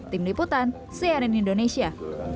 tim liputan cnn indonesia